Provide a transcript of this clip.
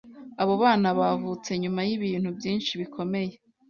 Abo bana bavutse nyuma y’ibintu byinshi bikomeye,